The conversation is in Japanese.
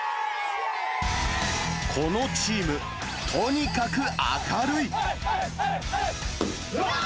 このチーム、とにかく明るい。